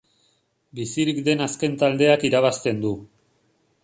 Bizirik den azken taldeak irabazten du.